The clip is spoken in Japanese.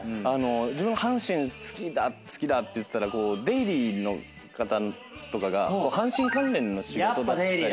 自分阪神好きだ好きだって言ってたらデイリーの方とかが阪神関連の仕事だったりとか。